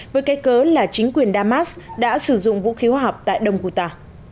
với cái cớ là chính quyền damas đã sử dụng vũ khí hóa học tại đông quỳ tà